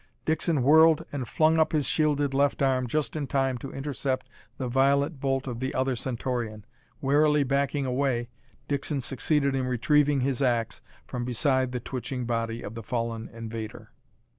Dixon whirled and flung up his shielded left arm just in time to intercept the violet bolt of the other Centaurian. Warily backing away, Dixon succeeded in retrieving his ax from beside the twitching body of the fallen invader.